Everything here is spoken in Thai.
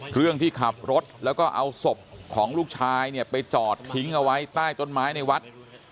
เรื่องที่ขับรถแล้วก็เอาศพของลูกชายเนี่ยไปจอดทิ้งเอาไว้ใต้ต้นไม้ในวัด